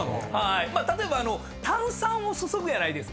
例えば炭酸を注ぐやないですか。